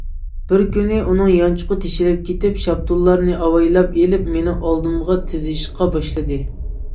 بىر كۈنى ئۇنىڭ يانچۇقى تېشىلىپ كېتىپ، شاپتۇللارنى ئاۋايلاپ ئېلىپ مېنىڭ ئالدىمغا تىزىشقا باشلىدى.